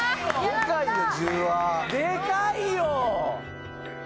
でかいよ！